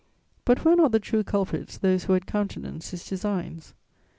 But were not the true culprits those who had countenanced his designs?